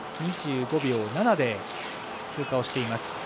２５秒７で通過しています。